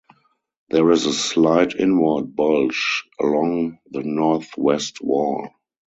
There is a slight inward bulge along the northwest wall.